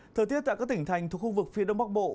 thời tiết tại các tỉnh thành thuộc khu vực phía đông bắc bộ